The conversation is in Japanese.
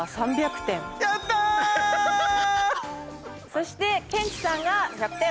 そしてケンチさんが１００点。